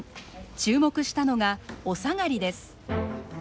注目したのがおさがりです。